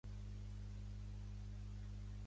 Sebollit al monestir, fou venerat a la seva església.